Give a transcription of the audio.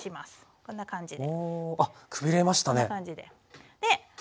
こんな感じで。